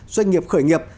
doanh nghiệp khởi nghiệp